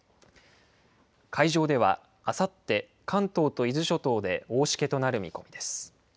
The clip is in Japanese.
海上ではあさって、関東と伊豆諸島で大しけとなる見込みです。